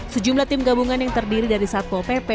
sejumlah tim gabungan yang terdiri dari satpol pp